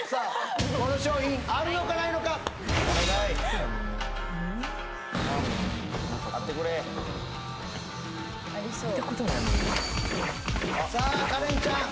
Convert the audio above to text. この商品あるのかないのかあってくれ・ありそうさあカレンちゃん